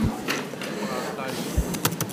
Teddam ɣer Ṭṭalyan.